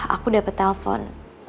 aku dapet telpon